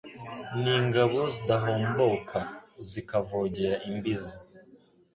N' ingabo zidahomboka. Zikavogera imbizi